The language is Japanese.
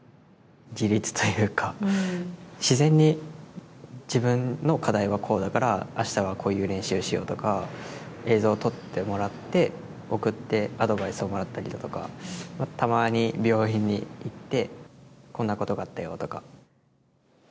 自立というか、自然に自分の課題はこうだから、あしたはこういう練習をしようとか、映像撮ってもらって、送って、アドバイスをもらったりだとか、たまに病院に行って、こんなことがあったよとか。